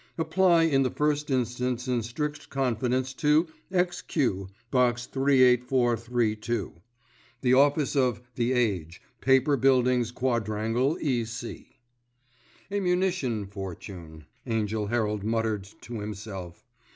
Apply in the first instance in strict confidence to X.Q. Box 38432. The office of The Age, Paper Buildings Quadrangle, E.C." "A munition fortune," Angell Herald muttered to himself.